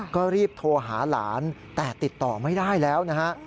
ก็รีบโทรหาหลานแต่ติดต่อไม่ได้แล้วนะฮะ